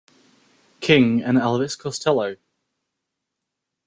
King, and Elvis Costello.